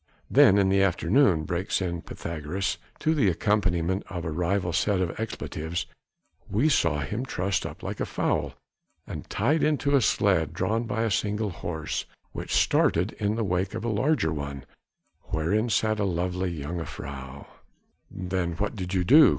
"Then in the afternoon," breaks in Pythagoras, to the accompaniment of a rival set of expletives, "we saw him trussed like a fowl and tied into a sledge drawn by a single horse, which started in the wake of a larger one wherein sat a lovely jongejuffrouw." "Then what did you do?"